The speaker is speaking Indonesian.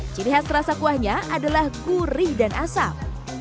ciri khas rasa kuahnya adalah gurih dan asam